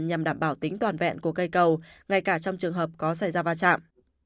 nhằm đảm bảo tính toàn vẹn của cây cầu ngay cả trong trường hợp có xảy ra va chạm